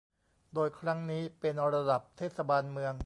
โดยครั้งนี้เป็นระดับเทศบาลเมือง